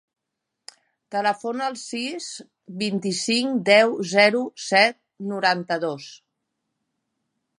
Telefona al sis, vint-i-cinc, deu, zero, set, noranta-dos.